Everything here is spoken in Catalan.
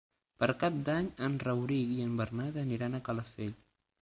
Per Cap d'Any en Rauric i en Bernat aniran a Calafell.